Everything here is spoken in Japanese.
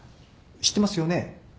知ってますよね？